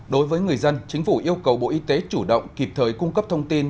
đối với người dân chính phủ yêu cầu bộ y tế chủ động kịp thời cung cấp thông tin